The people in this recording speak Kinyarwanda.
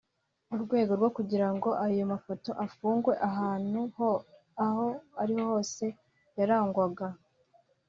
mu rwego rwo kugira ngo ayo amafoto afungwe ahantu aho ariho hose yarangwaga